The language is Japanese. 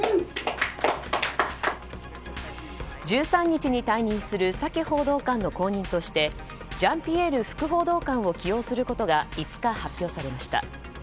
１３日に退任するサキ報道官の後任としてジャンピエール副報道官を起用することが５日、発表されました。